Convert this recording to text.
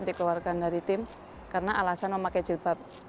dikeluarkan dari tim karena alasan memakai jilbab